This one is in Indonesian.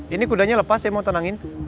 ini kudanya lepas saya mau tenangin